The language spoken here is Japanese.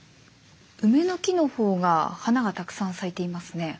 ウメの木の方が花がたくさん咲いていますね。